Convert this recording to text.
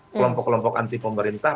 kelompok kelompok anti pemerintah